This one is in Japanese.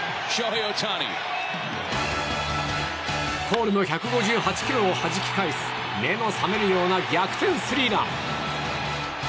コールの１５８キロをはじき返す目の覚めるような逆転スリーラン。